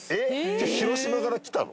じゃあ広島から来たの？